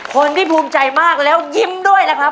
คนที่ภูมิใจมากและยิ้มด้วยนะครับ